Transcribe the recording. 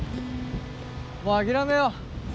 もう諦めよう。